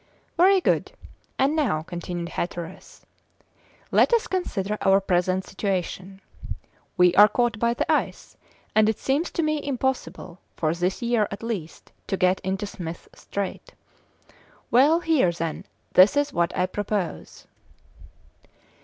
"Very good. And now," continued Hatteras, "let us consider our present situation. We are caught by the ice, and it seems to me impossible, for this year at least, to get into Smith's Strait. Well, here, then, this is what I propose."